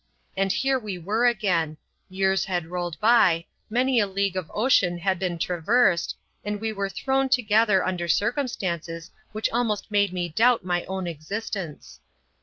And here we were again :— years had rolled by, many a league of ocean had been traversed, and we were thrown together under circumstances which almost made me doubt my own existence.